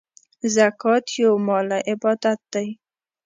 زکات یو مالی عبادت دی .